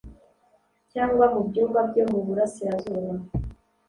Cyangwa mu byumba byo mu Burasirazuba,